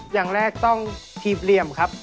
อย่างแรกต้องถีบเหลี่ยมครับ